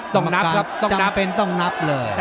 ต้องนับครับต้องนับ